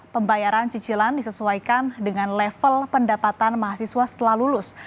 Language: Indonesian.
pembayaran cicilan disesuaikan dengan level pendapatan mahasiswa setelah lulus